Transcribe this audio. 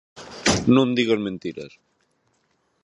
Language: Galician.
Non digas mentiras!